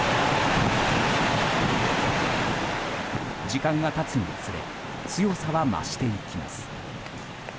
時間が経つにつれ強さは増していきます。